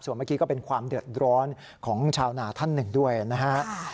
เมื่อกี้ก็เป็นความเดือดร้อนของชาวนาท่านหนึ่งด้วยนะฮะ